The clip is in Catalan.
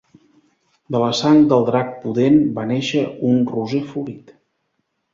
De la sang del drac pudent va néixer un roser florit.